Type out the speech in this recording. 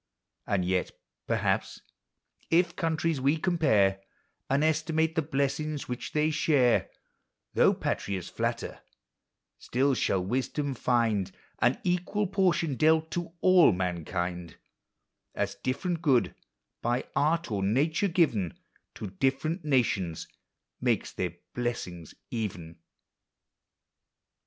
And yet, perhaps, if countries we compare, And estimate the blessings which they share, Though patriots flatter, still shall wisdom find An equal portion dealt to all mankind; As ditTerent good, by art or nature given, To different nations makes their blessing even.